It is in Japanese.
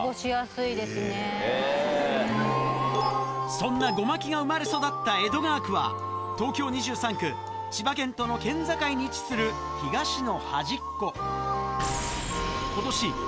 そんなゴマキが生まれ育った江戸川区は東京２３区千葉県との県境に位置する東の端っこ